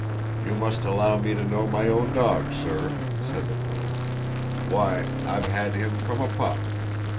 "You must allow me to know my own dog, sir," said the colonel. "Why, I've had him from a pup.